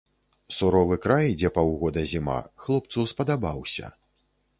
Суровы край, дзе паўгода зіма, хлопцу спадабаўся.